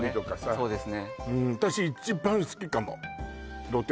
そうですね